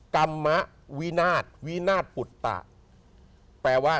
กัมมะวินาทวินาทปุตตะ